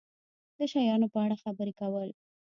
د شیانو په اړه خبرې کول